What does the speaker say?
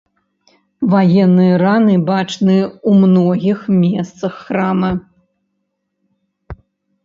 Ваенныя раны бачны ў многіх месцах храма.